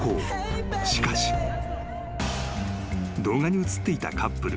［しかし］［動画に映っていたカップル。